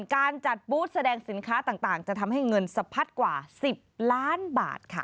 การจัดบูธแสดงสินค้าต่างจะทำให้เงินสะพัดกว่า๑๐ล้านบาทค่ะ